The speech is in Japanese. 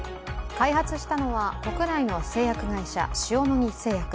開発したのは国内の製薬会社、塩野義製薬。